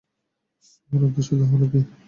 আমার উদ্দেশ্য তাহলে কি?